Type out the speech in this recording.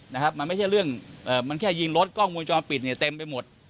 นะครับมันไม่ใช่เรื่องเอ่อมันแค่ยิงรถกล้องมูลจรปิดเนี่ยเต็มไปหมด